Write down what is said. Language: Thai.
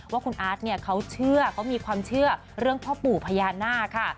ว่าคุณอาร์ตเนี่ยเขาเชื่อเขามีความเชื่อเรื่องพ่อปู่พญานาคค่ะ